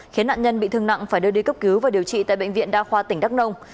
khiến nạn nhân bị thương nặng phải đưa đi cấp cứu và điều trị tại bệnh viện đa khoa tỉnh đắk nông